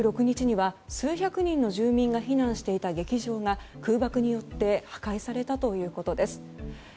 １６日には数百人の住民が避難していた劇場が空爆によって破壊されたということです。